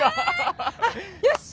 よし！